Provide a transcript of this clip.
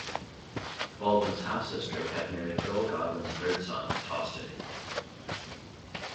Baldwin's half-sister had married Earl Godwin's third son, Tostig.